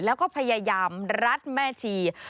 แล้วก็พยายามรัดแม่ชี